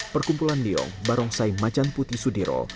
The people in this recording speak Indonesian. perkumpulan leong barongsai macan putih sudiro